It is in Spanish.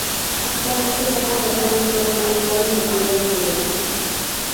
Actualmente se ha convertido en todo un ritual y motivo de celebración.